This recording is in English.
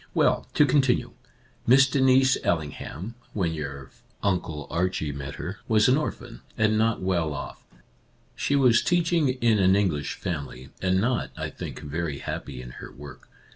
" Well, to continue : Miss Denise Ailing ham, when your Uncle Archie met her, was an orphan, and not well off. She was teaching in an English family, and not, I think, very happy in her work.